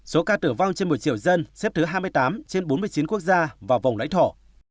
số ca tử vong trên một triệu dân xếp thứ hai mươi tám trên bốn mươi chín quốc gia và vùng lãnh thổ